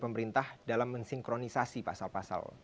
pemerintah dalam mensinkronisasi pasal pasal